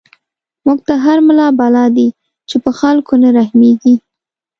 موږ ته هر ملا بلا دی، چی په خلکو نه رحميږی